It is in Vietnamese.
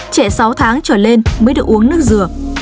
trẻ sáu tháng trở lên mới được uống nước dừa